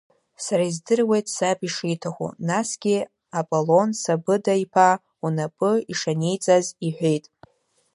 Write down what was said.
Сара издыруеит саб ишиҭаху, насгьы Аполон Сабыда-иԥа унапы ишаниҵаз, — иҳәеит.